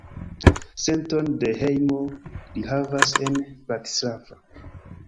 Senton de hejmo li havas en Bratislava.